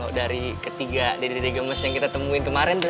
kalau dari ketiga dede dede gemes yang kita temuin kemarin tuh